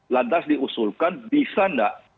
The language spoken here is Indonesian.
lantas diusulkan bisa tidak